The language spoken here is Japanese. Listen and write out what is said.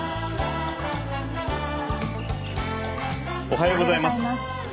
おはようございます。